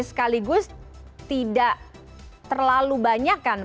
sekaligus tidak terlalu banyak kan